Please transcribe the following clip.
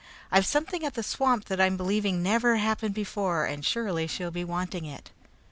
I've something at the swamp that I'm believing never happened before, and surely she'll be wanting it."